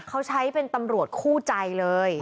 เขาใช้เป็นตำรวจคู่ใจเลย